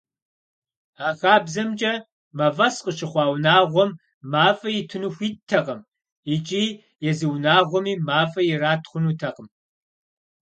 А хабзэмкӏэ, мафӏэс къыщыхъуа унагъуэм мафӏэ итыну хуиттэкъым, икӏи езы унагъуэми мафӏэ ират хъунутэкъым.